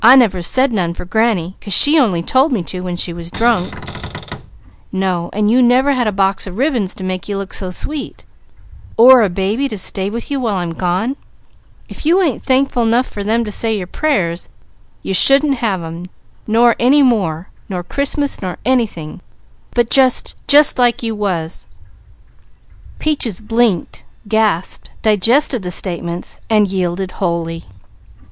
"I never said none for granny, 'cause she only told me to when she was drunk." "No and you never had a box of ribbons to make you look so sweet, or a baby to stay with you while I'm gone. If you ain't thankful enough for them to say your prayers, you shouldn't have them, nor any more, nor Christmas, nor anything, but just just like you was." Peaches blinked, gasped, digested the statements, then yielded wholly.